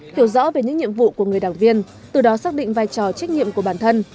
hiểu rõ về những nhiệm vụ của người đảng viên từ đó xác định vai trò trách nhiệm của bản thân